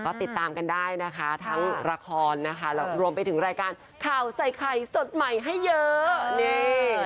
ก็ติดตามกันได้นะคะทั้งละครนะคะแล้วรวมไปถึงรายการข่าวใส่ไข่สดใหม่ให้เยอะนี่